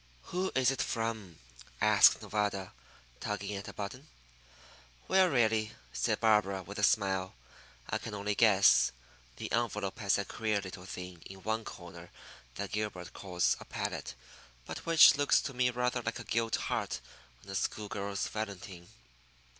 "Who is it from?" asked Nevada, tugging at a button. "Well, really," said Barbara, with a smile, "I can only guess. The envelope has that queer little thing in one corner that Gilbert calls a palette, but which looks to me rather like a gilt heart on a school girl's valentine."